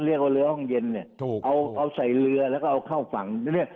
เรียกว่าเรือห้องเย็นเนี่ยเอาเอาใส่เรือแล้วก็เอาเข้าฝั่งเรียก